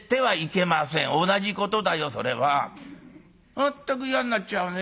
まったく嫌になっちゃうね。